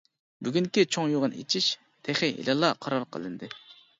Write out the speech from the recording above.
بۈگۈنكى چوڭ يىغىن ئېچىش تېخى ھېلىلا قارار قىلىندى.